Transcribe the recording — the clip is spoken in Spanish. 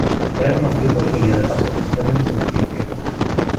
Era conocido por su habilidad de pase, especialmente con su pie izquierdo.